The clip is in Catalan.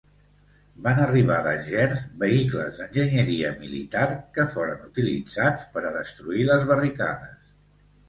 Van arribar d'Angers vehicles d'enginyeria militar que foren utilitzats per a destruir les barricades.